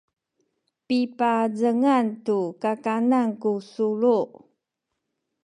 pipazengan tu kakanen ku sulu